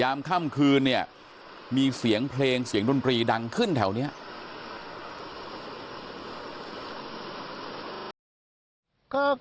ยามค่ำคืนมีเสียงเพลงเสียงมุมปีดังขึ้นแถวนะครับ